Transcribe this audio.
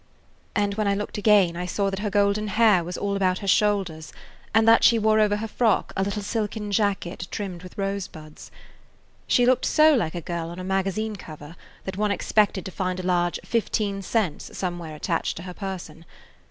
And when I looked again I saw that her golden hair was all about her shoulders and that she wore over her frock a little silken jacket trimmed with rosebuds. She looked so like a girl on a magazine cover that one expected to find a large "15 cents" somewhere attached to her person.